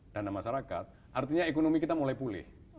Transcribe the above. dana masyarakat artinya ekonomi kita mulai pulih